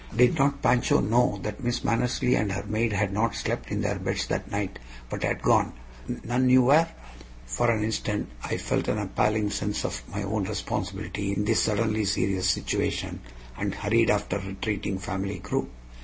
Did not Don Pancho know that Miss Mannersley and her maid had not slept in their beds that night, but had gone, none knew where? For an instant I felt an appalling sense of my own responsibility in this suddenly serious situation, and hurried after the retreating family group.